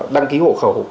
đăng ký hộ khẩu